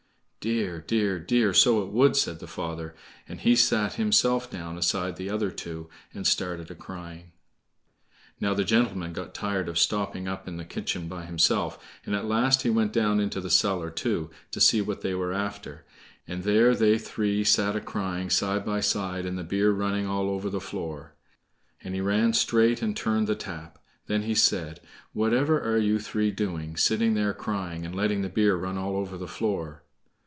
"Dear, dear, dear! so it would!" said the father, and he sat himself down aside of the other two, and started a crying. Now the gentleman got tired of stopping up in the kitchen by himself, and at last he went down into the cellar too, to see what they were after; and there they three sat a crying side by side, and the beer running all over the floor. And he ran straight and turned the tap. Then he said: "Whatever are you three doing, sitting there crying, and letting the beer run all over the floor?"